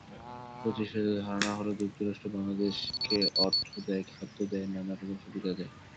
প্রতিষ্ঠিত ধারণা হলো, যুক্তরাষ্ট্র বাংলাদেশকে অর্থ দেয়, খাদ্য দেয়, নানা রকম সুবিধা দেয়।